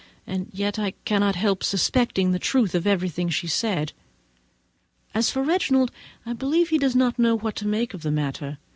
and yet I cannot help suspecting the truth of everything she says. As for Reginald, I believe he does not know what to make of the matter.